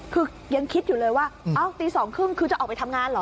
คือยังคิดอยู่เลยว่าเอ้าตี๒๓๐คือจะออกไปทำงานเหรอ